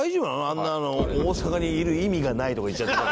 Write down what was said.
あんなの大阪にいる意味がないとか言っちゃって。